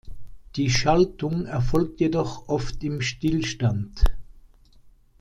Die Schaltung erfolgt jedoch oft im Stillstand.